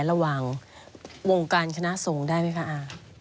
ระหว่างวงการคณะสงฆ์ได้ไหมคะอา